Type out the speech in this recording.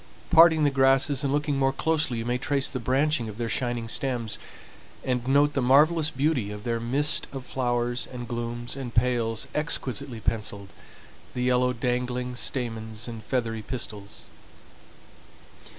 Parting the grasses and looking more closely you may trace the branching of their shining stems, and note the marvelous beauty of their mist of flowers, the glumes and pales exquisitely penciled, the yellow dangling stamens, and feathery pistils.